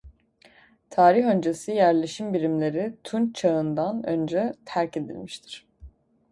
Tarih öncesi yerleşim birimleri Tunç Çağı'ndan önce terk edilmiştir.